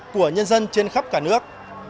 của nhân dân trên khắp cả nước